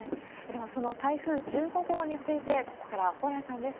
では、その台風１５号について、ここから蓬莱さんです。